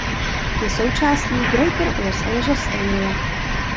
Je součástí "Greater Los Angeles Area".